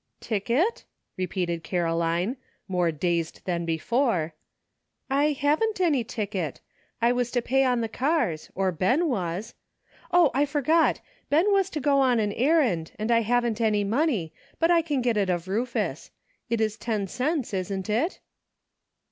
" Ticket ?" repeated Caroline, more dazed than before, " I haven't any ticket. I was to pay on the cars, or Ben was. O, I forgot ! Ben was to go on an errand, and I haven't any money, but I can get it of Rufus. It is ten cents, isn't it?"